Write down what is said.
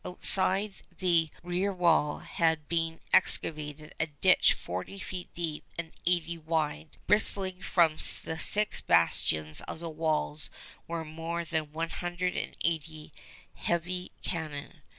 Outside the rear wall had been excavated a ditch forty feet deep and eighty wide. Bristling from the six bastions of the walls were more than one hundred and eighty heavy cannon.